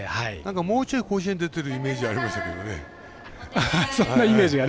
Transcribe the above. もうちょっと甲子園出てるイメージありましたけどね。